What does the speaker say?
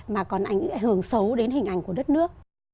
mà còn ảnh hưởng xấu đến hình ảnh của đất nước